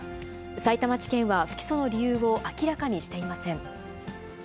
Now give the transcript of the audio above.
さいたま地検は不起訴の理由を明らかにしていません。